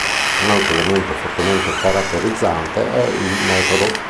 Un altro elemento fortemente caratterizzante è il metodo.